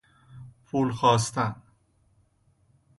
پول خواستن